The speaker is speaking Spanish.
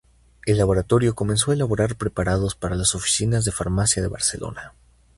El laboratorio comenzó a elaborar preparados para las oficinas de farmacia de Barcelona.